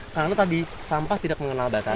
karena tadi sampah tidak mengenal batasan